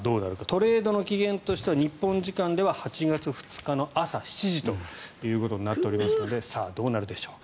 トレードの期限としては日本時間では８月２日の朝ということになっていますのでどうなるでしょうか。